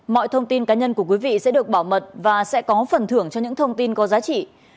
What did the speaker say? mọi thông tin cá nhân của quý vị sẽ được bảo mật và sẽ có phần thưởng cho những thông tin có giá trị